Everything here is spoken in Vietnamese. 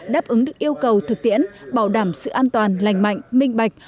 đáp ứng được yêu cầu thực tiễn bảo đảm sự an toàn lành mạnh minh bạch